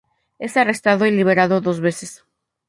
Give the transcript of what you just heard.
Es arrestado y liberado dos veces.